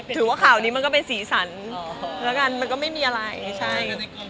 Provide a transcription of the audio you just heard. ถือว่าข่าวนี้มันก็เป็นสีสันแล้วกันมันก็ไม่มีอะไรใช่